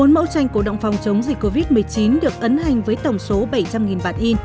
một mươi mẫu tranh cổ động phòng chống dịch covid một mươi chín được ấn hành với tổng số bảy trăm linh bản in